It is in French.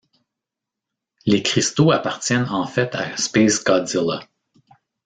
Les cristaux appartiennent en fait à SpaceGodzilla.